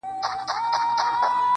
o ماته د مار خبري ډيري ښې دي.